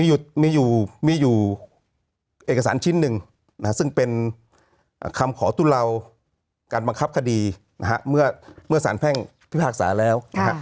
มีอยู่เอกสารชิ้นหนึ่งซึ่งเป็นคำขอตุลาวการบังคับคดีนะฮะเมื่อสารแพ่งพิพากษาแล้ว